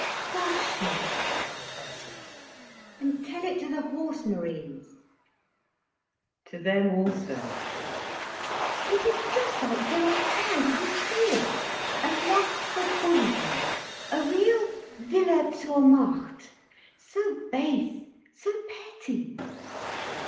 "Does she!" cried Ursula. "And tell it to the Horse Marines." "To them also." "It is just like Gerald Crich with his horse—a lust for bullying—a real Wille zur Macht—so base, so petty."